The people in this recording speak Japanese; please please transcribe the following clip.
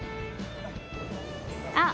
あっ！